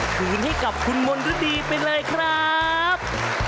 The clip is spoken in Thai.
คืนให้กับคุณมณฤดีไปเลยครับ